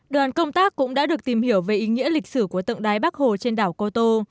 đoàn công tác cũng đã được tìm hiểu về ý nghĩa lịch sử của tượng đài bắc hồ trên đảo cô tô